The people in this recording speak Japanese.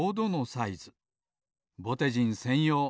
ぼてじんせんよう。